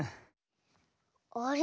あれ？